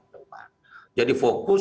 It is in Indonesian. depan jadi fokus